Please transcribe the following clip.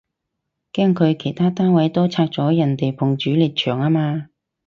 驚佢其他單位都拆咗人哋埲主力牆吖嘛